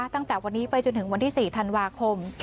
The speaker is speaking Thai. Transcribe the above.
ตั้งแต่วันนี้ไปจนถึงวันที่๔ธันวาคม